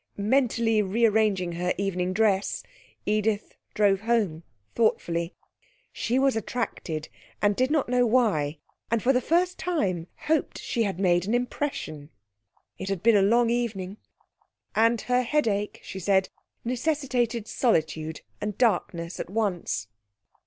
Mentally rearranging her evening dress, Edith drove home thoughtfully. She was attracted and did not know why, and for the first time hoped she had made an impression. It had been a long evening, and her headache, she said, necessitated solitude and darkness at once.